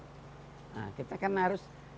nah kita kan harus